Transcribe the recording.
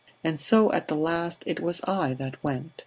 And so at the last it was I that went.